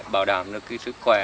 bảo đảm được cái sức khỏe